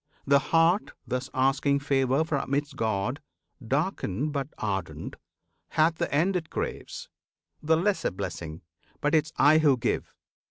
The heart thus asking favour from its God, Darkened but ardent, hath the end it craves, The lesser blessing but 'tis I who give!